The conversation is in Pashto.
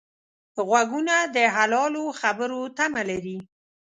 غوږونه د حلالو خبرو تمه لري